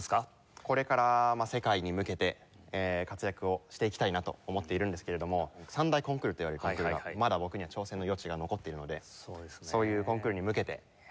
これから世界に向けて活躍をしていきたいなと思っているんですけれども三大コンクールといわれるコンクールがまだ僕には挑戦の余地が残っているのでそういうコンクールに向けて。